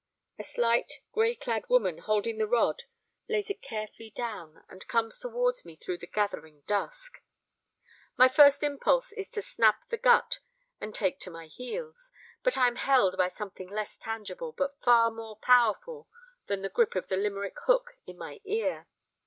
A slight, grey clad woman holding the rod lays it carefully down and comes towards me through the gathering dusk. My first impulse is to snap the gut and take to my heels, but I am held by something less tangible but far more powerful than the grip of the Limerick hook in my ear.